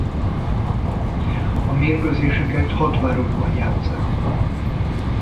A mérkőzéseket hat városban játsszák.